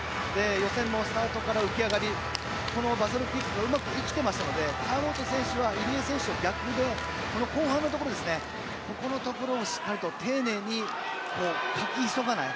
予選もスタートから浮き上がりこのバサロキックがうまく生きてますので川本選手は入江選手と逆で後半のところここのところをしっかりと丁寧にかき急がない。